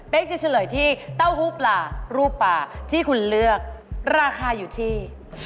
เป็นจะเฉลยที่เต้าหู้ปลารูปปลาที่คุณเลือกราคาอยู่ที่